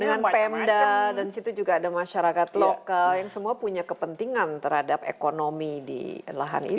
dengan pemda dan situ juga ada masyarakat lokal yang semua punya kepentingan terhadap ekonomi di lahan ini